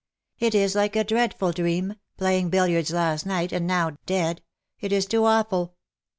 " It is like a dreadful dream — playing billiards last night, and now — dead ! It is too awful."